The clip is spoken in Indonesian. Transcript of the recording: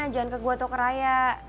jangan ke gue atau ke raya